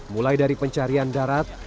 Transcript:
mulai dari pencarian darat